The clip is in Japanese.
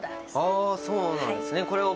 あー、そうなんですね。